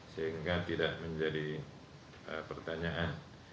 sehingga tidak menjadi pertanyaan